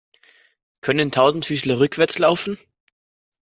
Können Tausendfüßler rückwärts laufen?